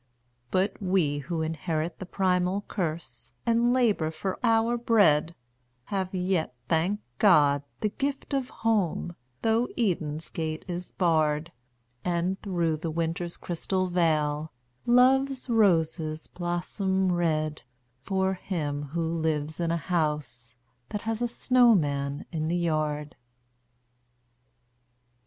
But we who inherit the primal curse, and labour for our bread, Have yet, thank God, the gift of Home, though Eden's gate is barred: And through the Winter's crystal veil, Love's roses blossom red, For him who lives in a house that has a snowman in the yard.